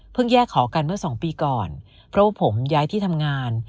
แยกขอกันเมื่อสองปีก่อนเพราะว่าผมย้ายที่ทำงาน